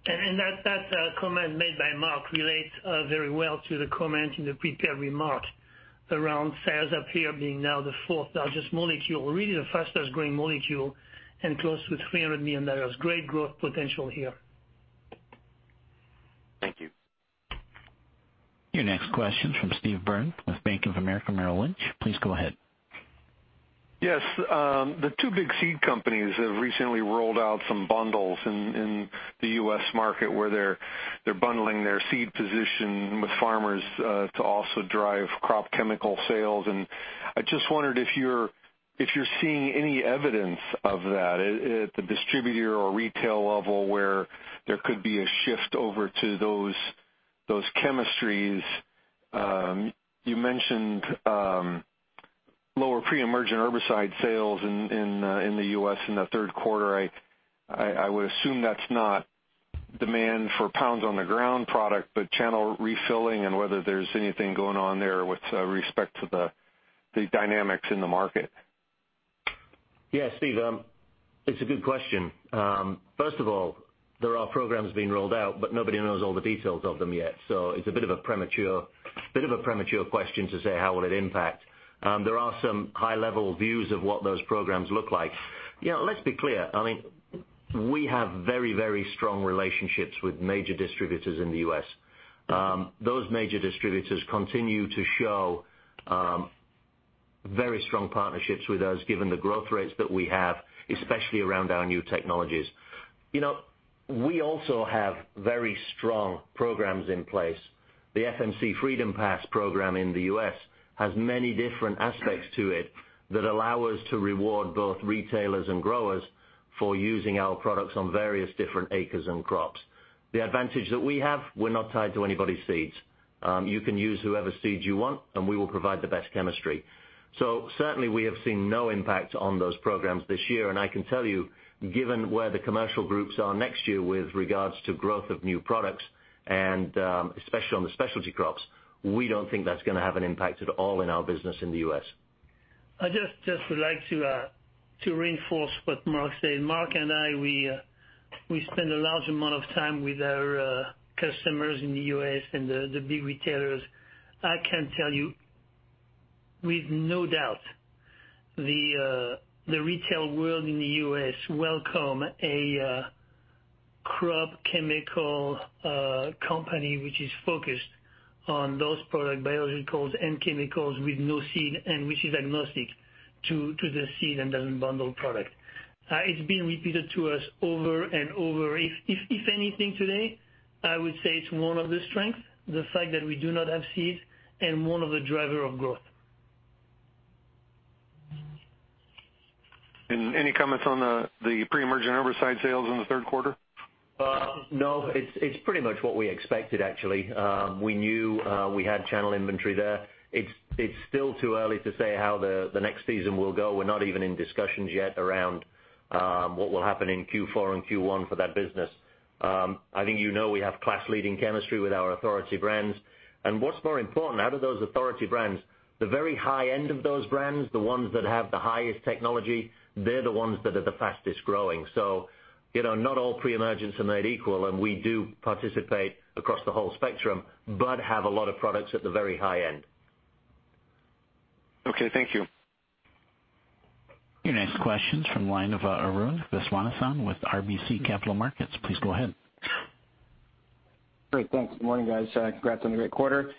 That comment made by Mark relates very well to the comment in the prepared remark around sales up here being now the fourth largest molecule, really the fastest-growing molecule, and close to $300 million. Great growth potential here. Thank you. Your next question is from Steve Byrne with Bank of America Merrill Lynch. Please go ahead. Yes. The two big seed companies have recently rolled out some bundles in the U.S. market where they're bundling their seed position with farmers to also drive crop chemical sales. I just wondered if you're seeing any evidence of that at the distributor or retail level where there could be a shift over to those chemistries. You mentioned lower pre-emergent herbicide sales in the U.S. in the third quarter. I would assume that's not demand for pounds on the ground product, but channel refilling and whether there's anything going on there with respect to the dynamics in the market. Yeah, Steve, it's a good question. First of all, there are programs being rolled out, but nobody knows all the details of them yet. It's a bit of a premature question to say how will it impact. There are some high-level views of what those programs look like. Let's be clear. We have very strong relationships with major distributors in the U.S. Those major distributors continue to show very strong partnerships with us given the growth rates that we have, especially around our new technologies. We also have very strong programs in place. The FMC Freedom Pass program in the U.S. has many different aspects to it that allow us to reward both retailers and growers for using our products on various different acres and crops. The advantage that we have, we're not tied to anybody's seeds. You can use whoever's seeds you want, and we will provide the best chemistry. Certainly we have seen no impact on those programs this year. I can tell you, given where the commercial groups are next year with regards to growth of new products and especially on the specialty crops, we don't think that's going to have an impact at all in our business in the U.S. I just would like to reinforce what Mark said. Mark and I, we spend a large amount of time with our customers in the U.S. and the big retailers. I can tell you with no doubt, the retail world in the U.S. welcome a crop chemical company which is focused on those product biologicals and chemicals with no seed and which is agnostic to the seed and the bundle product. It's been repeated to us over and over. If anything, today, I would say it's one of the strengths, the fact that we do not have seeds, and one of the driver of growth. Any comments on the pre-emergent herbicide sales in the third quarter? It's pretty much what we expected, actually. We knew we had channel inventory there. It's still too early to say how the next season will go. We're not even in discussions yet around what will happen in Q4 and Q1 for that business. I think you know we have class-leading chemistry with our Authority brands. What's more important, out of those Authority brands, the very high end of those brands, the ones that have the highest technology, they're the ones that are the fastest-growing. Not all pre-emergents are made equal, and we do participate across the whole spectrum, but have a lot of products at the very high end. Okay, thank you. Your next question's from the line of Arun Viswanathan with RBC Capital Markets. Please go ahead. Great. Thanks. Good morning, guys. Congrats on the great quarter.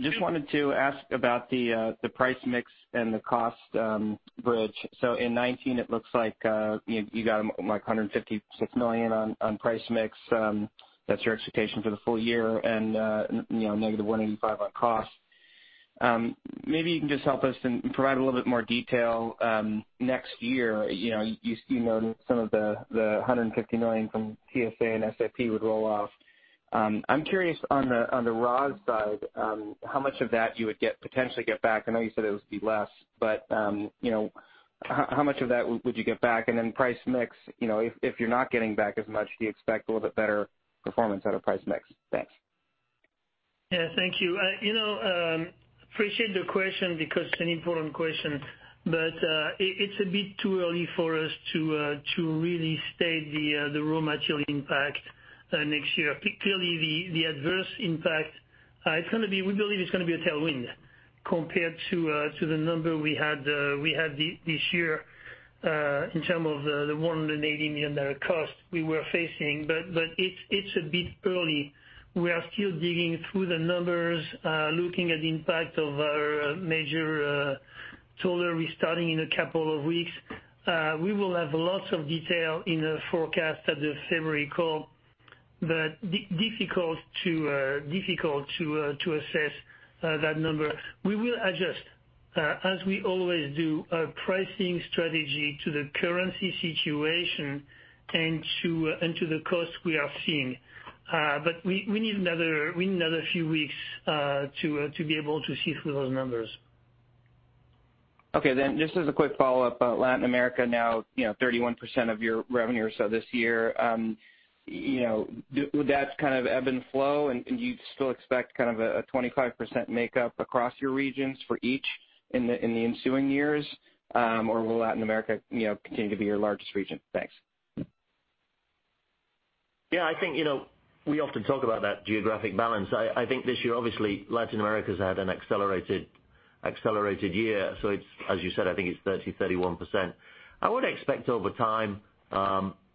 Just wanted to ask about the price mix and the cost bridge. In 2019, it looks like you got $156 million on price mix. That's your expectation for the full year and -$185 million on cost. Maybe you can just help us and provide a little bit more detail next year. You noted some of the $150 million from TSA and SAP would roll off. I'm curious on the raw side, how much of that you would potentially get back? I know you said it would be less, but how much of that would you get back? Price mix, if you're not getting back as much, do you expect a little bit better performance out of price mix? Thanks. Yeah, thank you. Appreciate the question because it's an important question. It's a bit too early for us to really state the raw material impact next year. Clearly, the adverse impact, we believe it's going to be a tailwind compared to the number we had this year in terms of the $180 million cost we were facing. It's a bit early. We are still digging through the numbers, looking at the impact of our major toller restarting in a couple of weeks. We will have lots of detail in the forecast at the February call. Difficult to assess that number. We will adjust, as we always do, our pricing strategy to the currency situation and to the cost we are seeing. We need another few weeks to be able to see through those numbers. Just as a quick follow-up. Latin America now 31% of your revenue, this year. Would that ebb and flow, and do you still expect a 25% makeup across your regions for each in the ensuing years? Will Latin America continue to be your largest region? Thanks. Yeah, I think we often talk about that geographic balance. I think this year, obviously, Latin America's had an accelerated year. As you said, I think it's 30-31%. I would expect over time,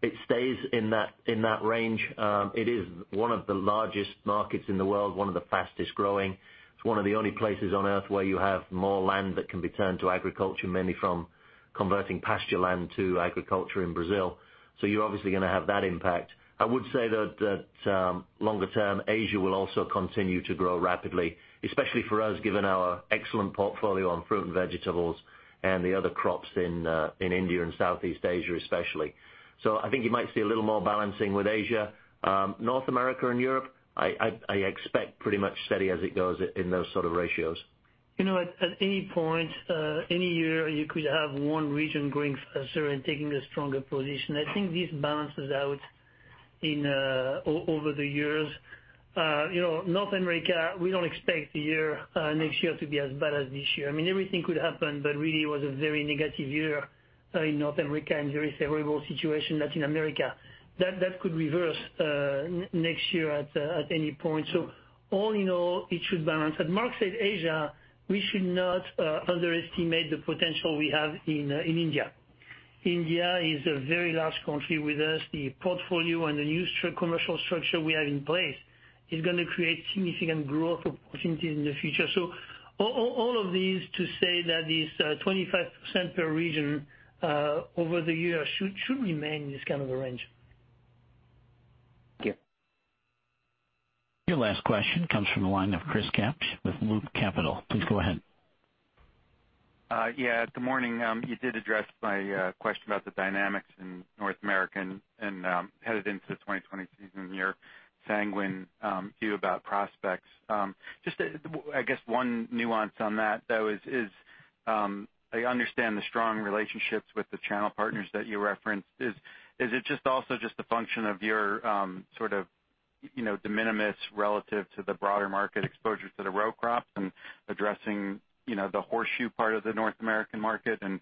it stays in that range. It is one of the largest markets in the world, one of the fastest-growing. It's one of the only places on earth where you have more land that can be turned to agriculture, mainly from converting pasture land to agriculture in Brazil. You're obviously going to have that impact. I would say that longer term, Asia will also continue to grow rapidly, especially for us, given our excellent portfolio on fruit and vegetables and the other crops in India and Southeast Asia, especially. I think you might see a little more balancing with Asia. North America and Europe, I expect pretty much steady as it goes in those sort of ratios. At any point, any year, you could have one region growing faster and taking a stronger position. I think this balances out over the years. North America, we don't expect next year to be as bad as this year. Everything could happen, but really, it was a very negative year in North America and a very favorable situation Latin America. That could reverse next year at any point. All in all, it should balance. As Mark said, Asia, we should not underestimate the potential we have in India. India is a very large country. With the portfolio and the new commercial structure we have in place is going to create significant growth opportunities in the future. All of this to say that this 25% per region over the year should remain in this kind of a range. Thank you. Your last question comes from the line of Chris Kapsch with Loop Capital. Please go ahead. Yeah. Good morning. You did address my question about the dynamics in North America and headed into the 2020 season, your sanguine view about prospects. Just, I guess, one nuance on that, though, is I understand the strong relationships with the channel partners that you referenced. Is it just also just a function of your de minimis relative to the broader market exposure to the row crops and addressing the horseshoe part of the North American market and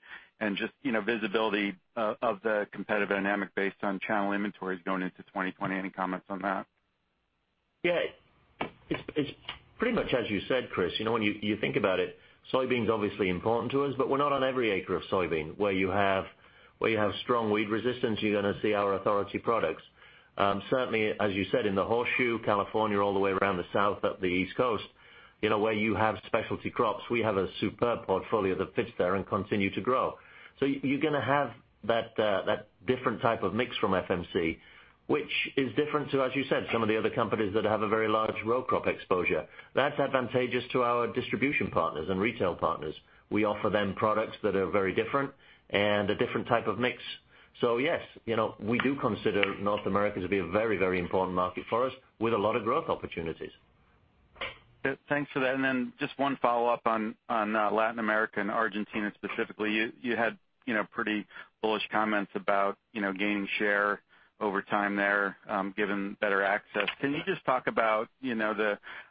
just visibility of the competitive dynamic based on channel inventories going into 2020? Any comments on that? Yeah. It's pretty much as you said, Chris. When you think about it, soybeans obviously important to us, but we're not on every acre of soybeans. Where you have strong weed resistance, you're going to see our Authority products. Certainly, as you said, in the horseshoe, California, all the way around the south up the East Coast, where you have specialty crops, we have a superb portfolio that fits there and continue to grow. You're going to have that different type of mix from FMC, which is different to, as you said, some of the other companies that have a very large row crop exposure. That's advantageous to our distribution partners and retail partners. We offer them products that are very different and a different type of mix. Yes, we do consider North America to be a very, very important market for us with a lot of growth opportunities. Thanks for that. Just one follow-up on Latin America and Argentina specifically. You had pretty bullish comments about gaining share over time there given better access. Can you just talk about,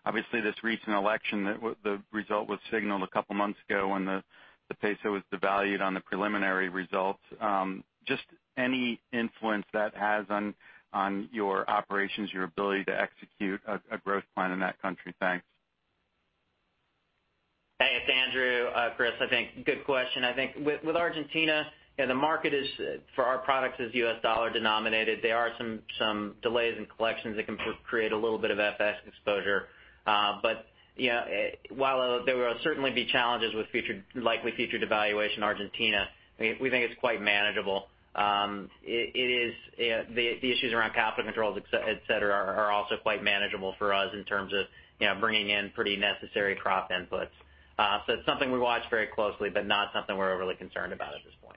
obviously this recent election, the result was signaled a couple of months ago when the peso was devalued on the preliminary results. Just any influence that has on your operations, your ability to execute a growth plan in that country? Thanks. Hey, it's Andrew. Chris, I think good question. I think with Argentina, the market for our products is U.S. dollar denominated. There are some delays in collections that can create a little bit of FX exposure. While there will certainly be challenges with likely future devaluation Argentina, we think it's quite manageable. The issues around capital controls, et cetera, are also quite manageable for us in terms of bringing in pretty necessary crop inputs. It's something we watch very closely, but not something we're overly concerned about at this point.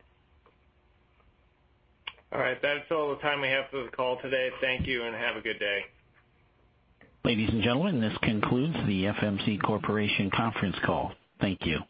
All right. That's all the time we have for the call today. Thank you and have a good day. Ladies and gentlemen, this concludes the FMC Corporation conference call. Thank you.